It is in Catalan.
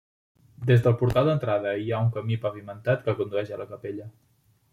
Des del portal d'entrada hi ha un camí pavimentat que condueix a la capella.